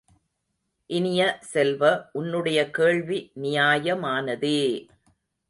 இனிய செல்வ, உன்னுடைய கேள்வி நியாயமானதே!